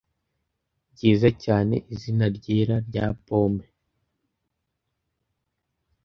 byiza cyane izina ryera rya pome